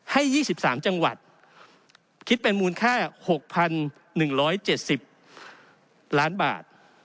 ๒๓จังหวัดคิดเป็นมูลค่า๖๑๗๐ล้านบาท